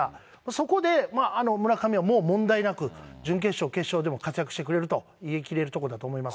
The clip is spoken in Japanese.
そこで村上はもう問題なく準決勝、決勝でも活躍してくれると言い切れるところだと思います。